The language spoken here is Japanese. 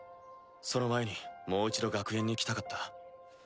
その前にもう一度学園に来たかった。